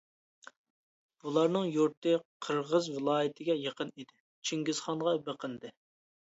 بۇلارنىڭ يۇرتى قىرغىز ۋىلايىتىگە يېقىن ئىدى، چىڭگىزخانغا بېقىندى.